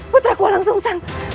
putraku walang sungsang